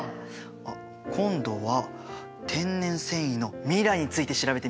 あっ今度は天然繊維の未来について調べてみよっかな。